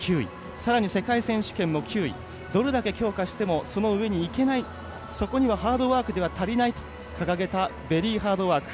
さらに世界選手権も９位どれだけ強化してもその上に行けないそこにはハードワークでは足りないと掲げたベリーハードワーク。